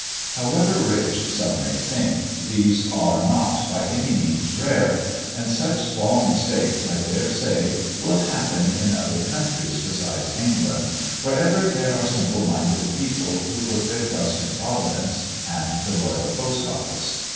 _" However rich (some may think), these are not by any means rare; and such small mistakes, I dare say, will happen in other countries besides England, wherever there are simple minded people who put their trust in Providence and the royal Post office.